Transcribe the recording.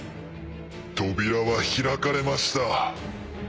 扉は開かれました。